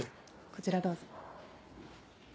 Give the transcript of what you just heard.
こちらどうぞ。